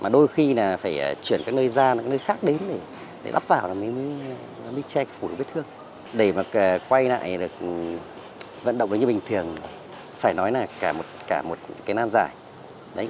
để quay lại vận động như bình thường phải nói là cả một cái nan dài